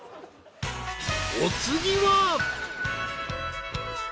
［お次は］